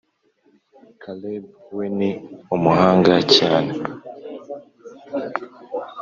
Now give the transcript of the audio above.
karebu we ni umuhanga cyane